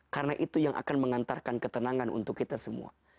karena itu yang akan mengantarkan ketenangan untuk kita semua